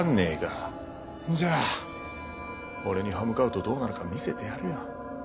じゃあ俺に刃向かうとどうなるか見せてやるよ。